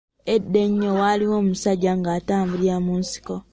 Edda ennyo, waaliwo omusajja nga atambulira mu nsiko.